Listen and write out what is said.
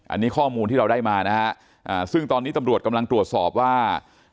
อันนี้ข้อมูลที่เราได้มานะฮะซึ่งตอนนี้ตำรวจกำลังตรวจสอบว่า